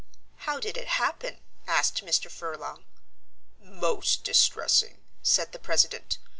"How did it happen?" asked Mr. Furlong. "Most distressing," said the president.